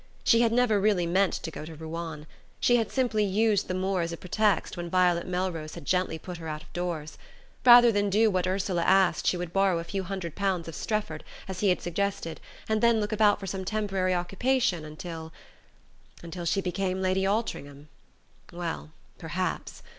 She had never really meant to go to Ruan. She had simply used the moor as a pretext when Violet Melrose had gently put her out of doors. Rather than do what Ursula asked she would borrow a few hundred pounds of Strefford, as he had suggested, and then look about for some temporary occupation until Until she became Lady Altringham? Well, perhaps.